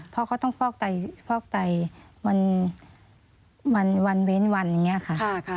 เพราะเขาต้องฟอกไตวันเว้นวันอย่างนี้ค่ะ